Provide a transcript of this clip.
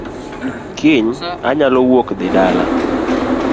Kiny anyalo wuok dhi dala